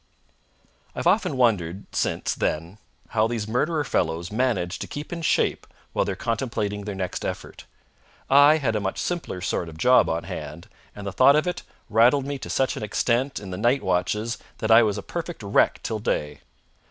I've often wondered since then how these murderer fellows manage to keep in shape while they're contemplating their next effort. I had a much simpler sort of job on hand, and the thought of it rattled me to such an extent in the night watches that I was a perfect wreck next day.